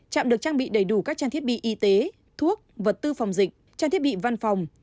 trạm được trang bị đầy đủ các trang thiết bị y tế thuốc vật tư phòng dịch trang thiết bị văn phòng